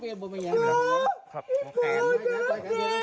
เอามือเอามือ